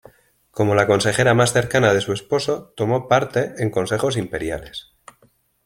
Como la consejera más cercana de su esposo, tomó parte en consejos imperiales.